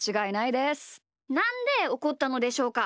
なんでおこったのでしょうか？